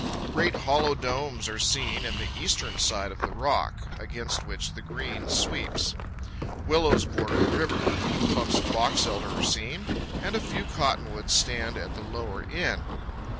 Great hollow domes are seen in the eastern side of the rock, against which the Green sweeps; willows border the river; clumps of box elder are seen; and a few cottonwoods stand at the lower end.